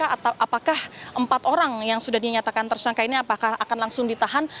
apakah empat orang yang sudah dinyatakan tersangka ini apakah akan langsung ditahan